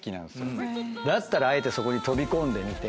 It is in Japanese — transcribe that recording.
だったらあえてそこに飛び込んでみて。